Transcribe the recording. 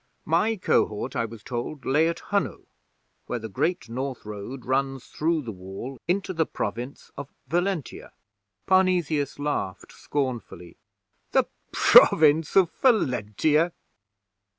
'My Cohort, I was told, lay at Hunno, where the Great North Road runs through the Wall into the Province of Valentia.' Parnesius laughed scornfully. 'The Province of Valentia!